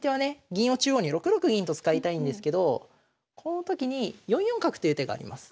銀を中央に６六銀と使いたいんですけどこの時に４四角という手があります。